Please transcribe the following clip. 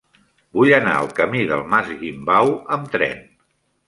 Vull anar al camí del Mas Guimbau amb tren.